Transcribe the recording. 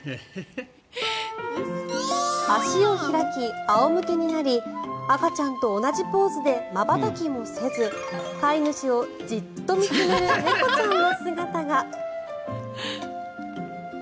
足を開き、仰向けになり赤ちゃんと同じポーズでまばたきもせず飼い主をじっと見つめる猫ちゃんの姿が。